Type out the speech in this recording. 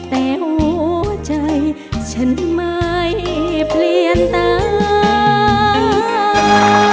แต่หัวใจฉันไม่เปลี่ยนตา